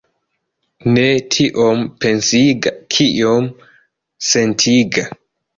Ne tiom pensiga, kiom sentiga.